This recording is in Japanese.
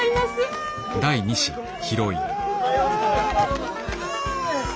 おめでとうございます。